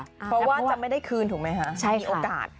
เพราะว่าจะไม่ได้คืนถูกไหมคะมีโอกาส